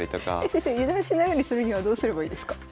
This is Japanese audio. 先生油断しないようにするにはどうすればいいですか？